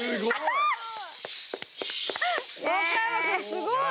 すごい。